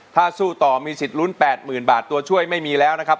ถ้าสู้ต่อมีสิทธิ์ลุ้น๘๐๐๐บาทตัวช่วยไม่มีแล้วนะครับ